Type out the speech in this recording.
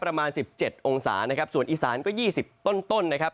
ประมาณ๑๗องศานะครับส่วนอีสานก็๒๐ต้นนะครับ